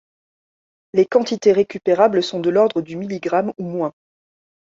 Les quantités récupérables sont de l'ordre du milligramme ou moins.